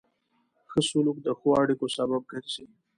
ښه سلوک د ښو اړیکو سبب ګرځي.